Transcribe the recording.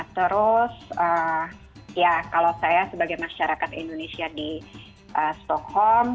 terus ya kalau saya sebagai masyarakat indonesia di stockholm